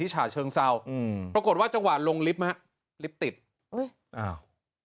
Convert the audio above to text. ที่ฉาเชิงซาวน์อืมปรากฏว่าจังหวานลงลิฟต์มั้ยฮะลิฟต์ติดอุ๊ยอ้าว